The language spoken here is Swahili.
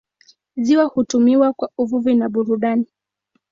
Ziwa hutumiwa kwa uvuvi na burudani.